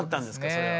それは。